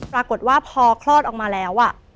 ปรากฏว่าพอคลอดออกมาแล้ว